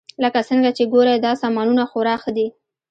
لکه څنګه چې ګورئ دا سامانونه خورا ښه دي